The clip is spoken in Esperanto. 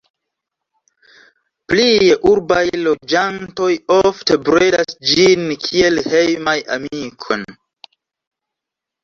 Plie urbaj loĝantoj ofte bredas ĝin kiel hejman amikon.